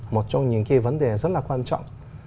một trong những vấn đề rất là quan trọng